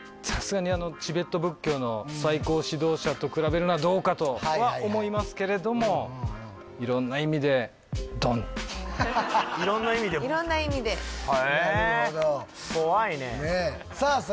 さすがにチベット仏教の最高指導者と比べるのはどうかとは思いますけれどもいろんな意味でもいろんな意味でへえ怖いねねえさあ